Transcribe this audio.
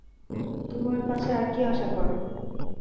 তুমি ওর কাছে আর কী আশা করো?